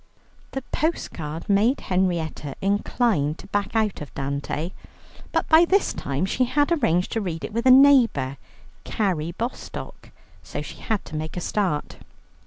The postcard made Henrietta inclined to back out of Dante. But by this time she had arranged to read with a neighbour, Carrie Bostock, so she had to make a start.